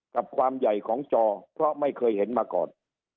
กับความใหญ่ของจอเพราะไม่เคยเห็นมาก่อน